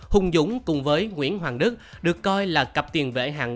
hùng dũng cùng với nguyễn hoàng đức được coi là cặp tiền vệ hạng